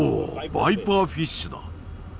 バイパーフィッシュだ。